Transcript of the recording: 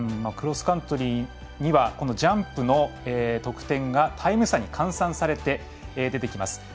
クロスカントリーにはジャンプの得点がタイム差に換算されて出てきます。